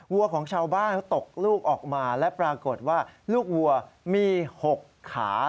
วัวของชาวบ้านเขาตกลูกออกมาและปรากฏว่าลูกวัวมี๖ขา